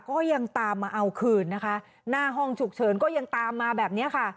ก็ยังตามมาเอาคืนนะคะหน้าห้องฉุกเฉินก็ยังตามมาแบบนี้ค่ะ